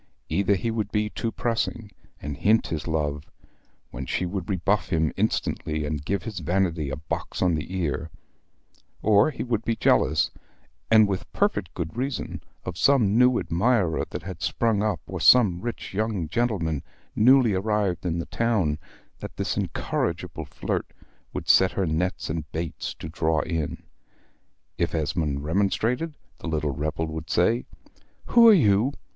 Either he would be too pressing, and hint his love, when she would rebuff him instantly, and give his vanity a box on the ear; or he would be jealous, and with perfect good reason, of some new admirer that had sprung up, or some rich young gentleman newly arrived in the town, that this incorrigible flirt would set her nets and baits to draw in. If Esmond remonstrated, the little rebel would say "Who are you?